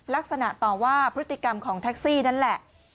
ลักษณะต่อว่าพฤติกรรมของแท็กซี่นั่นแหละ